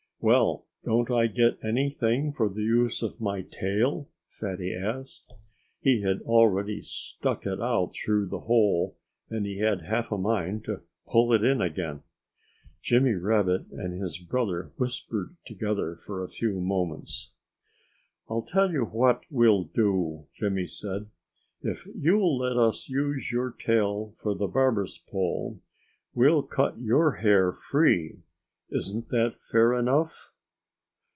"Well, don't I get anything for the use of my tail?" Fatty asked. He had already stuck it out through the hole; and he had half a mind to pull it in again. Jimmy Rabbit and his brother whispered together for a few moments. "I'll tell you what we'll do," Jimmy said. "If you'll let us use your tail for the barber's pole, we'll cut your hair free. Isn't that fair enough?"